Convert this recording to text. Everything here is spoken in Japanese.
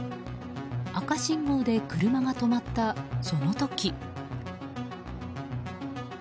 赤信号で車が止まったその時。